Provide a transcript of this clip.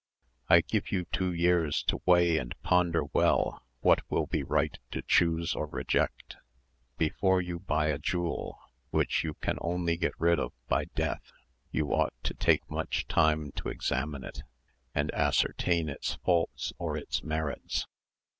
I give you two years to weigh and ponder well what will be right to choose or reject. Before you buy a jewel, which you can only get rid of by death, you ought to take much time to examine it, and ascertain its faults or its merits.